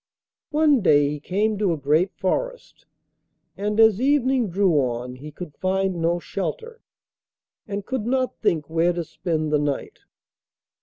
One day he came to a great forest, and as evening drew on he could find no shelter, and could not think where to spend the night.